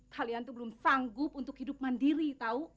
kalian tuh belum sanggup untuk hidup mandiri tahu